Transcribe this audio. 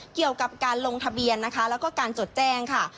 เกี่ยวกับการลงทะเบียนนะคะแล้วก็การจดแจ้งค่ะ